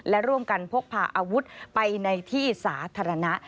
และร่วมกันพกพาอาวุธไปในที่สาธารณะ